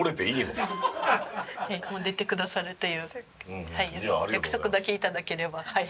出てくださるという約束だけ頂ければはい。